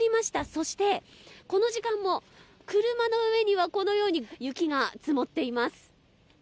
そして、この時間も車の上には、このように雪が積もっています。